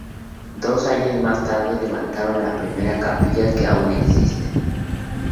Dos años más tarde levantaron la primera capilla que aún existe.